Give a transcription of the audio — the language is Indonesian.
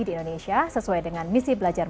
di indonesia sesuai dengan misi belajar